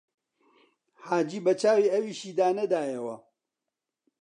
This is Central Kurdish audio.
حاجی بە چاوی ئەویشیدا نەدایەوە